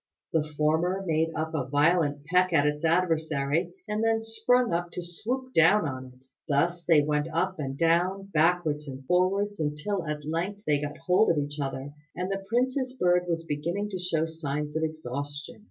The former made a violent peck at its adversary, and then sprung up to swoop down on it. Thus they went on up and down, backwards and forwards, until at length they got hold of each other, and the prince's bird was beginning to show signs of exhaustion.